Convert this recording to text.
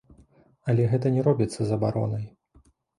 Але гэта не робіцца забаронай.